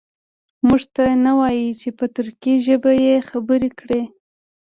موږ ته نه وایي چې په ترکي ژبه یې خبرې کړي.